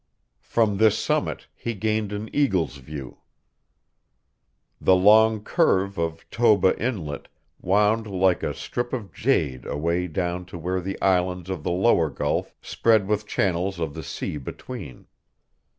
From this summit he gained an eagle's view. The long curve of Toba Inlet wound like a strip of jade away down to where the islands of the lower gulf spread with channels of the sea between.